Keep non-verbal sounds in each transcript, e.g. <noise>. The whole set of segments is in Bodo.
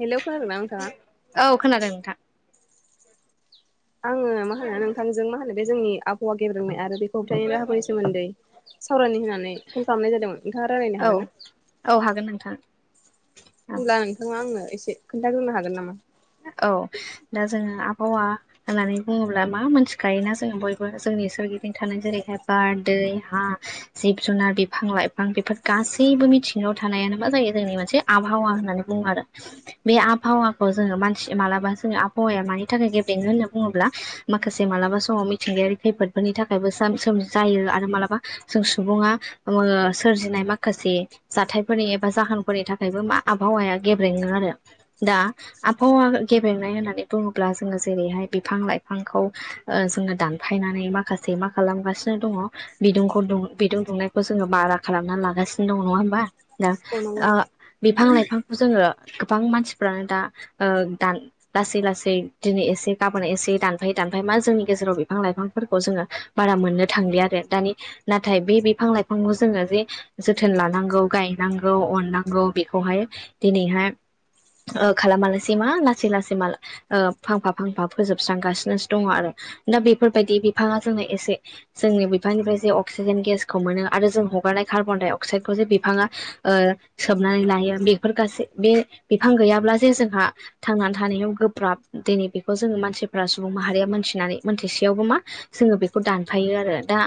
हेलौ खोनादोंना नोंथाङा? औ खोनादों नोंथां, आङो मा होनो नोंथांजों मा होनो बे जोंनि आबहावा गेब्रेंनाय आरो बेखौ होबथाय राहाफोरनि सोमोन्दै सावरायनो होनानै कल खालामनाय जादोंमोन नोंथाङा रायज्लायनो औ हागोन न? औ हागोन नोंथां औ होनब्ला नोंथाङा आंनो एसे खोन्थाग्रोनो हागोन नामा? औ दा जोङो आबहावा होननानै बुङोब्ला मा मोनथिखायोना जोङो बयबो जों सोरगिदिं थानाय जेरैहाय, बार दै हा जिब जुनार बिफां लाइफां बेफोर गासै मिथिंगायाव थानायानो मा जायो जोंनि मोनसे आबहावा होननानै बुङो आरो बे आबहावाखौ जोङो मानसि मालाबा जोंनि आबहावाया मानि थाखाय गेब्रेंङो होनना बुङोब्ला माखासे मालाबा समाव मिथिंगायारि खैफोदफोरनि थाखायबो जायो आरो मालाबा जों सुबुङा सोरजिनाय माखासे से जाथायफोरनि एबा जाहोनफोरनि थाखायबो मा आबहावाया गेब्रेङो। आरो दा आबहावा गेबेंनाय होननानै बुङोब्ला जोङो जेरैहाय, बिफां लाइफांखौ जोङो दानफाय नानै माखासे मा खालामगासिनो दङ बिदुंखौ बिदुं दुंनायखौ जोङो बारा खालामनानै लागासिनो दं नङा होमबा दा औ नंगौ बिफां लाइफांखौ जोङो गोबां मानसिफ्रानो दा लासै लासै दिनै एसे गाबोन एसे दानफायै दानफाय मा जोंनि गेजेराव बिफां लाइफां फोरखौ जोङो बारा मोननो थांलिया आरो दा नाथाय बे बिफां लाइफांखौ जोङो जे जोथोन लानांगौ गायनांगौ अननांगौ बेखौहाय दिनैहाय खालामा लासिनो लासै मा लासै लासै मा फांफा फांफा फोजोबस्रांगासिनोसो दङ आरो दा बेफोरबायदि बिफाङा जोंनो एसे जोंनि बिफांनिफ्राय जे अक्सिजेन गेसखौ मोनो आरो जों हगारनाय कार्बन डाइ अक्साइड खौ जे बिफाङा सोमनानै लायो बेफोर गासै बे बिफां गैयाब्ला जे जोंहा थांनानै थानायाव गोब्राब दिनै बेखौ जोङो मानसिफ्रा सुबुं माहारिया मोनथिनानै मोनथिसेयावबो मा जोङो बेखौ दानफायो आरो। दा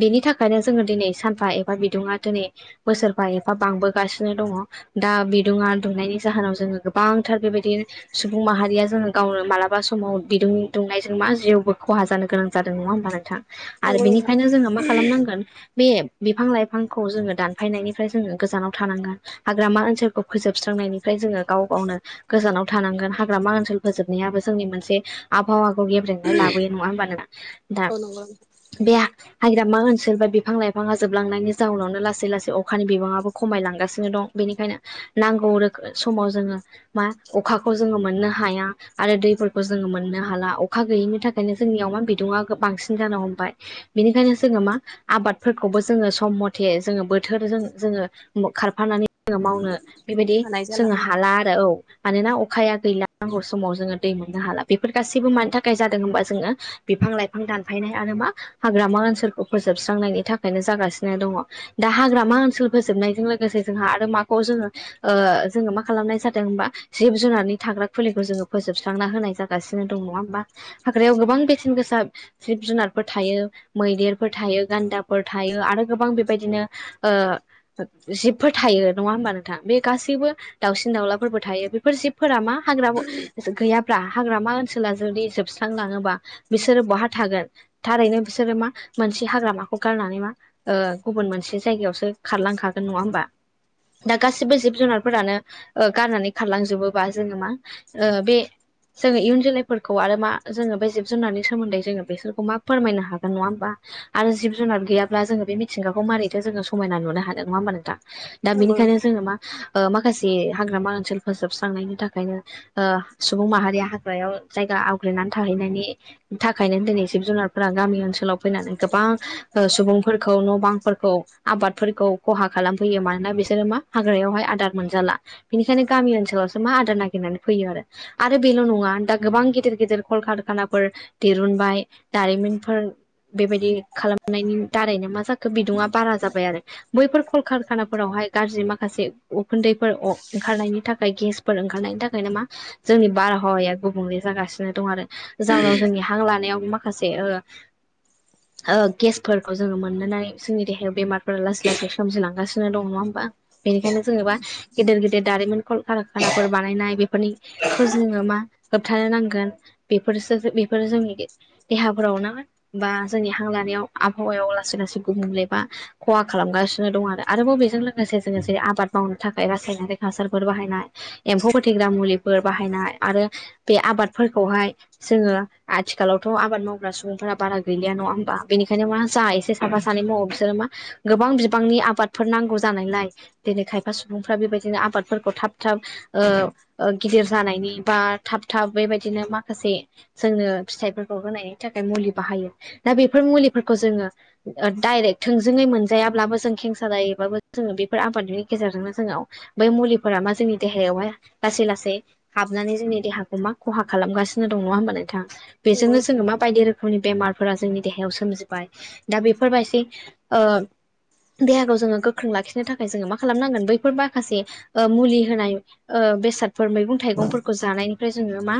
बेनि थाखायनो जोङो दिनै सानफा एबा बिदुुङा दिनै बोसोरबा एफा बांबोगासिनो दङ दा बिदुङा दुंनायनि जाहोनाव जोङो गोबांथार बेबायदि सुबुं माहारिया जोङो गावनो मालाबा समाव बिदुं दुंनायजों मा जिउबो खहा जानो गोनां जादों। नङा होनबा नोंथां। आरो नंगौ नोंथां बेनिखायनो जोङो मा खालामनांगोन बे बिफां लाइफांखौ जोङो दानफायनायनिफ्राय जोङो गोजानाव थानांगोन हाग्रामा ओनसोलखौ फोजोबस्रां नायनिफ्राय जोङो गाव गावनो गोजानाव थानांगोन हाग्रामा ओनसोल फोजोबनायाबो जोंनि मोनसे आबहावाखौ गेब्रेंनाय लाबोयो नङा होमबा नों नोंथां? औ नंगौ नोंथां बे हाग्रामा ओनसोल बा बिफां लाइफाङा जोबलांनायनि जाउनावनो लासै लासै अखानि बिबाङाबो खमायलांगासिनो दं। बेनिखायनो नांगौ रो समाव जोङो मा अखाखौ जोङो मोननो हाया आरो दैफोरखौ जोङो मोननो हाला अखा गैयैनि थाखायनो जोंनियाव बिदुङा बांसिन जानो हमबाय। बिनिखायनो जोङो मा आबादफोरखौबो जोङो सम मथे जो ङो बोथोरजों जोङो खारफानानै जोङो मावनो बेबायदि हानाय जाला जोङो आं। हाला आरो औ मानोना अखाया गैला नंगौ समाव जोङो दै मोननो हाला बेफोर गासैबो मानि थाखाय जादों होनबा जोङो बिफां लाइफां दानफायनाय आरो मा हाग्रामा ओनसोलखौ फोजोबस्रांनायनि थाखायनो जागासिनो दङ। दा हाग्रामा ओनसोल फोजोबनायजों लोगोसे जोंहा आरो माखौ जोङो जोङो मा खालामनाय जादों होनबा जिब जुनारनि थाग्रा खुलिखौ जोङो फोजोबस्रांना होनाय जागासिनो दङ नङा होमबा हाग्रायाव गोबां बेसेन गोसा जिब जुनारफोर थायो मैदेरफोर थायो गान्दाफोर थायो आरो गोबां बेबायदिनो ओ जिबफोर थायो नङा होमबा नोंथां बे गासैबो दाउसिन दाउलाफोरबो थायो। बेफोर जिबफोरा मा हाग्रा गैयाब्ला हाग्रामा ओनसोला जुदि जोबस्रांलाङोबा बिसोर बहा थागोन थारैनो बिसोरो मा मोनसे हाग्रामाखौ गारनानै मा ओ गुबुन मोनसे जाय गायावसो खारलांखागोन नङा होमबा? दा गासैबो जिब जुनारफोरानो गारनानै खारलांजोबोबा जोङो मा ओ बे जोङो इयुन जोलैफोरखौ आरो मा जोङो बे जिब जुनारनि सोमोन्दै जोङो बेसोरखौ मा फोरमायनो हागोन नङा होमबा? आरो जिब जुनार गैयाब्ला जोङो बे मिथिंगाखौ मारैथो जोङो समायना नुनो हादों नङा होमबा नोंथां? दा नंगौ बिनिखायनो नोंथां जोङो मा ओ माखासे हाग्रामा ओनसोल फोजोबस्रांनायनि थाखायनो ओ सुबुं माहारिया हाग्रायाव जायगा आवग्रिनानै थाहैनायनि थाखायनो दिनै जिब जुनारफोरा गामि ओनसोलाव फैनानै गोबां ओ सुबुंफोरखौ न' बांफोरखौ आबादफोरखौ खहा खालामफैयो मानोना बिसोरो मा हाग्रायावहाय आदार मोनजाला बेनिखायनो गामि ओनसोलावसो मा आदार नागिरनानै फैयो आरो बेल' नङा दा गोबां गेदेर गेदेर कल कारखानाफोर दिरुनबाय दारिमिनफोर बेबायदि खालामनायनि दारैनो मा जाखो बिदुुङा बारा जाबाय आरो बैफोर कल कारखानाफोराव हाय गाज्रि माखासे उखुन्दैफोर ओंखारनायनि थाखाय गेसफोर ओंखारनायनि थाखायनो मा जोंनि बारहावाया गुबुंले जागासिनो दं आरो। जाउनाव जोंनि हां लानायाव माखासे ओ ओ गेसफोरखौ जोङो मोननानै जोंनि देहायाव बेमारफोरा लासै लासै सोमजिलांगासिनो दङ नङा होमबा? बेनिखायनो जेनेबा गेदेर गेदेर दारिमिन कल कारखानाफोर बानायनाय बेफोरनिखौ जोङो मा होबथानो नांगोन बेफोरसो बे फोर जोंनि देहाफोराव ना बा जोंनि हां लानायाव आबहावायाव लासै लासै गुबुंले बा खहा खालामगा सिनो दङ आरो। आरोबाव बेजों लोगोसे जोङो जे आबाद मावनो थाखाय रासायनारि हासार फोर बाहायनाय एम्फौ फोथैग्रा मुलिफोर बाहायनाय आरो बे आबादफोरखौहाय जोङो आथिखालावथ' आबाद मावग्रा सुबुंफोरा बारा गैलिया नङा हबा बेनिखायनो मा जा एसे साफा सानै मावो बिसोरो मा गोबां बिबांनि आबादफोर नांगौ जानायलाय दिनै खायफा सुबुंफ्रा बेबायदिनो आबाद फोरखौ थाब थाब ओ गिदिर जानायनि बा थाब थाब बेबायदिनो माखासे जोंनो फिथाइफोरखौ होनायनि थाखाय मुलि बाहायो दा बेफोर मुलिफोरखौ जोङो डाइरेक्ट थोंजोङै मोनजायाब्लाबो जों खेंसालायैबाबो जोङो बेफोर आबादनि गेजेरजोंनो जोङो बै मुलि फोरा मा जोंनि देहायावहाय लासै लासै हाबनानै जोंनि देहाखौ मा खहा खालामगासिनो दं नङा होनबा नोंथां? नंगौ बेजोंनो नोंथां। जोङो माबायदि रोखो मनि बेमारफोरा जोंनि देहायाव सोमजिबाय दा बेफोरबायदि ओ देहाखौ जोङो गोख्रों लाखिनो थाखाय जोङो मा खालामनांगोन बैफोर माखासे ओ मुलि होनाय ओ बेसादफोर मैगं थाइगंफोरखौ जानायनिफ्राय जोङो मा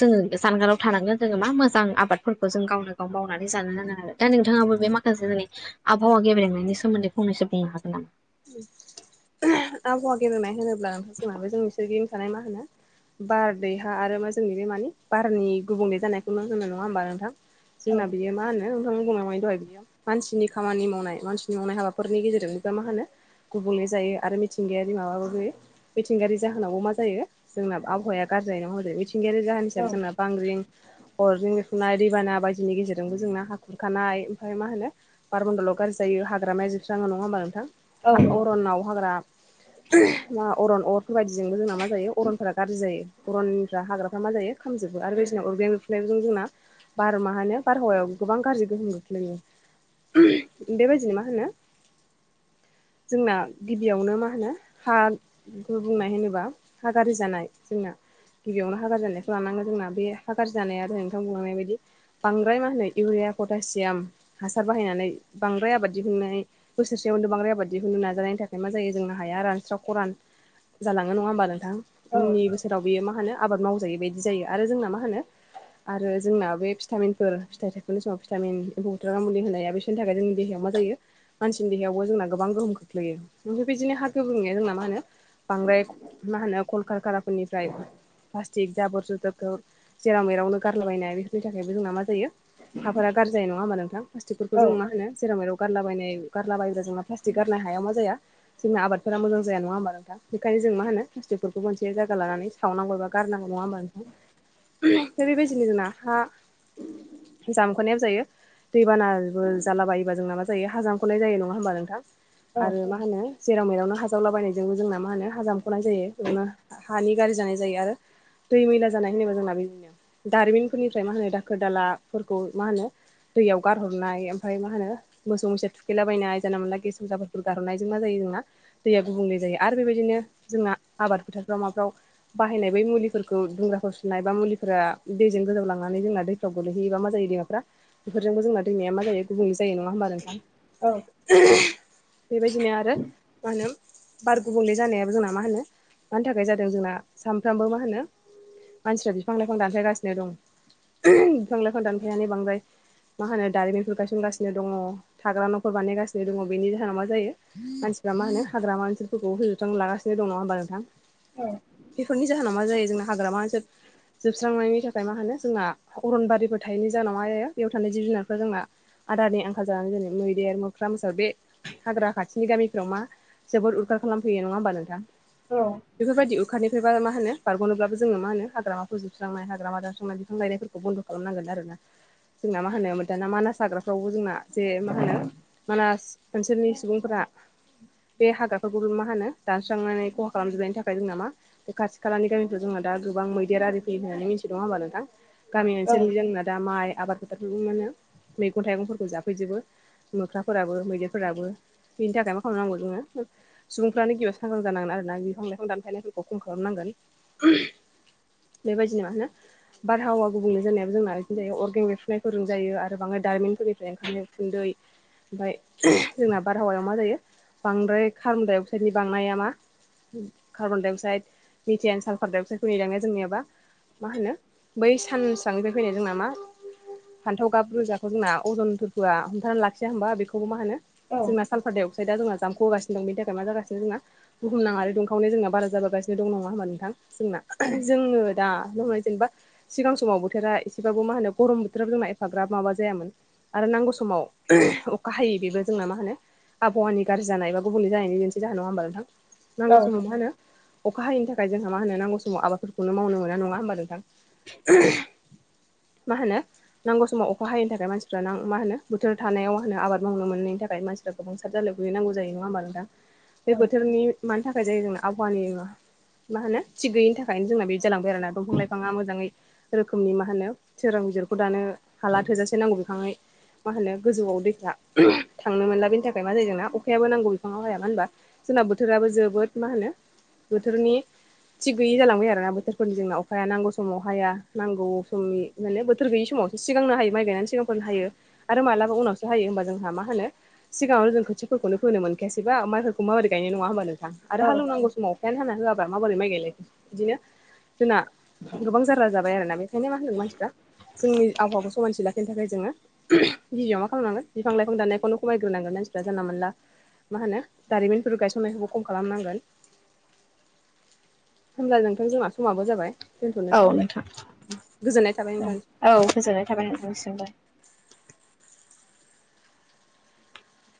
जोङो जानगाराव थानांगोन जोङो मा मोजां आबादफोरखौ जों गावनो गाव मावनानै जानो नांगोन आरो दा नोंथाङाबो बे माखासे आबहावा गेब्रेंनायनि सोमोन्दै फंनैसो बुंनो हागोन नामा? आबहावा गेबेंनाय होनोब्ला नोंथांजोंहाबो जोंनि सोरगिदिं थानाय मा होनो बारदैहा आरो मा जोंनि बे मानि बारनि गुबुंलै जानायखौनो होननाय नङा होमबा नोंथां। जोंना बियो मा होनो बुंनाय मायो दहाय बियो मानसिनि खामानि मावनाय मानसिनि मावनाय हाबाफोरनि गेजेरजों नोबा मा होनो गुबुंले जायो आरो मिथिंगायारि माबा गै मिथिंगायारि जाहोनावबो मा जायो जोंना आबहावाया गाज्रि जायो हजों मि थिंगायारि जाहोन हिसाब जोंना बांग्रिं अरजों बेरफ्रुनाय दैबाना बायदिनि गेजेरजोंबो जोंना हा खुरखानाय ओमफ्राय मा होनो बारमन्दलाव गाज्रि जायो हाग्रामाया जोबस्राङो नङा होनबा नोंथां? अरनाव हाग्रा मा अरन अरफोर बायदिजोंबो जोंना मा जायो अरनफोरा गाज्रि जायो अरननिफ्रा हाग्राफ्रा मा जायो खामजो आरो बेदिनो अरगे बेरफ्रुनायजों जोंना बार मा होनो बारहावायाव गोबां गाज्रि गोहोम खोख्लैयो। ओहोम बेबायदिनो मा होनो जोंना गिबियावनो मा होनो हा गुबुंनाय होनोब्ला हा गाज्रि जानाय जोंना गिबियावनो हा गाज्रि जानायखौ लानांगो जोंना बे हा गाज्रि जानाया नोंथां बुंलांनाय बायदि बांद्राय मा होनो इउरिया पटासियाम हासार बाहायनानै बांद्राय आबाद दिहुननाय बोसोरसेयावनो बांद्राय आबाद दिहुननो नाजानाय नि थाखाय मा जायो जोंनो हाया रानस्राव खरान जालाङो नङा होमबा नोंथां उननि बोसोराव बे मा मा होनो आबाद मावजायो बायदि जायो। आरो जोंना मा होनो आरो जोंना बे भिटामिनफोर फिथाइनि समाव भिटामिन एम्फौबुथारग्रा मुलि होननायाया बिसोरनि थाखाय जोंनि देहायाव मा जायो मानसिनि देहायावबो जोंना गोबां गोहोम खोख्लैयो। बिदिनो हा गुबुंनाया जोंना मा होनो बांद्राय मा होनो कलकारकाराफोरनिफ्राय प्लास्टिक जाबोर जुदोरफोर जेराव मेरावनो गारलाबायनाय बेफोरनि थाखायबो जोंना मा जायो हाफोरा गाज्रि जायो नङा होमबा नोंथां? प्लास्टिकफोरखौ जों मा होनो जेराव मेराव गारलाबायनाय गारलाबायोब्ला जोंना प्लास्टिक गारनाय हाया मा जाया जोंनि आबादफोरा मोजां जाया नङा होमबा नोंथा? बेनिखायनो जों मा होनो प्लास्टिकफोरखौ मोनसे जायगा लानानै सावनांगौबा गारनांगौ। नङा होनबा नोंथां? बेबायदिनो जोंना हा जामख'नायाव जायो दैबानाबो जालाबायोबा जोंना मा जायो हा जामख'नाय जायो नङा होमबा नोंथां? आरो मा होनो जेराव मेरावनो हाजावलाबायनायजोंबो जोंना मा होनो हाजामख'नाय जायो बेयावनो हानि गाज्रि जानाय जाय। आरो दै मैला जानाय होनोबा जोंना बेनो दारिमिनफोरनिफ्राय मा होनो दाखोर-दालाफोरखौ मा होनो दैयाव गारहरनाय ओमफ्राय मा होनो मोसौ-मोसा थुखैलाबायनाय जानला-मोनला गेस मुजाफोरफोरखौ गारहरनायजों मा जायो दैया गुबुंले जायो। आरो बेबायदिनो जोंना आबाद फोथारफ्राव माफ्राव बाहायनाय बै मुलिफोरखौ दुंग्राफोर सुनाय बा मुलिफोरा दैजों गोजावलांनानै जोंना दैफ्राव गोलैहयोबा मा जायो दैमाफ्रा बेफोरजोंबो जोंना दैैमाया मा जायो गुबुंल जायो नङा होमबा नोंथां? ओहोहोम बेबायदिनो आरो मा होनो बार गुबुंले जानाया जोंना मा होनो मानि थाखाय जादों जोंना सानफ्रामबो मा होनो मानसिफ्रा बिफां-लाइफां दानफायगासिनो दं। बिफां-लाइफां दानफायनानै बांद्राय मा होनो दारिमिनफोर गायसनगासिनो दङ थाग्रा न'फोर बानायगासिनो दङ बेनि जाहोनाव मा जायो मानसि फ्रा मा होन हाग्रामा ओनोलफोरखौ फोजोबस्रांना लागासिनो दङ नङा होमबा नोंथां? बेफोरनि जाहोनाव मा जायो जोंना हाग्रामा ओसोल जोबस्रांनायनि थाखाय मा होनो जोंना अरनबारिफोर थायैनि जाहोनाव मा जायो बेयाव थानाय जिब-जुनारफोरा जोंना आदारनि आंखाल जानानै जेरै मैदेर मोख्रा मोसौ बे हाग्रा खाथिनि गामि याव मा जोबोद उदखार खालामफैयो नङा होनबा नोंथां? बेफोरबायदि उदखारनिफ्रायबा मा होनो बग'नोब्लाबो जोङो मा होनो हाग्रामाखौ जोबस्रांनाय हाग्राम दास्रांनाय बिफां गायनायफोरखौ बन्द खालामनांगोन आरो ना। जोंना मा होनोम दाना मानास हाग्राफ्रावबो जोंना जे मा होनो मानास ओनसोलनि सुबुंफोरा <inaudible> बे हाग्राफोरखौ मा होनो दानस्रांनानै खहा खालामजोबनायनि थाखाय जोंना मा बे खाथि खालानि गामिफ्राव जोंना दा गोबां मैदेर आरि फैयो होननानै मिथिदों होमबा नोंथां गामि ओनसोलनि जोंना दा माइ आबाद बेफोरबो माने मैगं थाइगंफोरखौ जाफैजोबो मोख्राफोराबो मैदेरफोराबो बिनि थाखाय मा खालामनांगौ जोङो सुबुंफ्रानो गिबियाव सांग्रां जानांगोन आरोना बिफां लाइफां दानफायनायफोरखौ खम खालामनांगोन। उह बेबायदिनो मा होनो बारहावा गुबुंल जानायाबो जोंना इदिनो जायो अर्गें बेरफुनायफोरजों जायो। आरो बाङाय दारिमिनफोरनिफ्राय ओंखामनो उखुन्दै ओमफाय अह जोंना बारहावायाव मा जायो बांद्राय कार्बन दडाइ अक्साइडनि बांनाया मा कार्बन डाइअक्साइड मिटियान साल्फार डाइअक्साइडखौ लांनाय जोंनियाबा मा होनो बै सानसांनिफ्राय फैनाय जोंना मा फान्थाव गाब रोजाखौ जोंना अजनथोरफोआ हमथाना लाखिया होमबा बेखौबो मा होनो? जोंना सालफारदाय अक्स साइडा जोंना जामख' बोगानो दं बिनि थाखाय मा जागासिनो जोंना बुहुमनाङारि दुंखावनाया जोंना बारा जाबोगासिनो दं नङा होनबा नोंथां? जोंना जोङो दा जेनेबा बुंनाय सिगां समाव बोथोरा एसेबाबो मा होनो गरम बोथोराबो जोंना एफाग्राब माबा जायामोन। आरो नांगौ समाव अखा हायै बेबो जोंना मा होनो आबहावानि गाज्रि जानाय बा गुबुंले जानायनि मोनसे जाहोन नङा होमबा नोंथां? नांगौ समाव मा होनो अखा हायैनि थाखाय जोंहा मा होनो नांगौ समाव आबादफोरखौनो मावनो मोना नङा होमबा नोंथां मा होनो नांगौ समाव अखा हायैनि थाखाय मानसिफ्रा नां मा होनो बोथोर थानायाव मा होनो आबाद मावनो मोनै नि थाखाय मानसिफ्रा गोबां साद जालाय गोलैनांगौ जायो नङा होमबा नोंथां बे बोथोरनि मानि थाखाय जायो जोंना आबहावानि मा होनो थिग गैयिनि थाखायनो जोंना बिदि जालांबाय आरोना दंफां लाइफाङा मोजाङै रोखोमनि मा होनो सोरों बिजिरख दानो हाला थोजासे नांगौ बिफाङै मा होनो गोजौआव दैफ्रा थांनो मोनला बेनि थाखाय मा जायो जोंना अखायाबो नांगौ बिफाङाव हाया मानो होनबा जोंना बोथोराबो जोबोद मा होनो बोथोरनि थिग गैयै जालांबाय आरोना बोथोरफोरनि जोंनाव अखाया नांगौ समाव हाया नांगौ समनि माने बोथोर गैयि समाव सिगांनो हायो माइ गायनायनि सिगांफोरनो हायो आरो मालाबा उनावसो हायो होमबा जोंहा मा होनो सिगाङाव जों खोथिफोरखौनो फोनो मोनखायासैबा माइफोरखौ माबायदि गायनो नङा होनबा नोंथां आरो हालौनांगौ समाव अखायानो हाना होआबा माबोरै माइ गायलायखो बिदिनो जोंना गोबां जारला जाबाय आरोना बेखायनो मा होनदों मानसिफ्रा जोंनि आबहावाखौ समानथि लाखिनो थाखाय जोङो गिबियाव मा खालामनांगोन बिफां लाइफां दाननायखौनो खमाय ग्रोनांगोन मानसिफ्रा जानला मोनला मा होनो दारिमिनफोर गायसननायखौबो खम खालामनांगोन। होमब्ला नोंथां जोंना समाबो जाबाय। औ दोनथ'नोसै नोंथां होनबा गोजोननाय थाबाय नोंथां। औ गोजोननाय थाबाय नोंथांनिसिमबो।